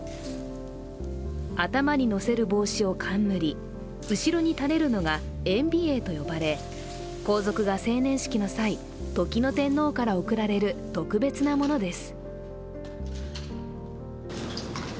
頭に乗せる帽子を冠後ろに垂れるのが燕尾纓と呼ばれ皇族が成年式の際、時の天皇から贈られる特別なものです。